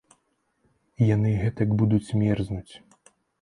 Яны гэтак будуць мерзнуць.